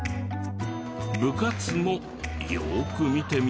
部活もよく見てみると。